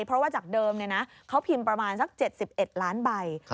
เพราะว่าจากเดิมเขาพิมพ์ประมาณสัก๗๑ล้านใบ